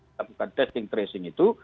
melakukan testing tracing itu